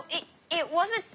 えっ？